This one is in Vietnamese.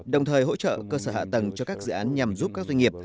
đồng thời hỗ trợ cơ sở hạ tầng cho các dự án nhằm giúp các doanh nghiệp